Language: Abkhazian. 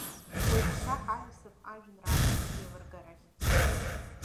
Уажәшьҭа ҳаиасып ажәеинраалақәа реилыргарахь.